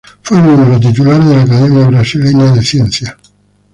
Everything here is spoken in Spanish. Fue miembro titular de la Academia Brasileña de Ciencias.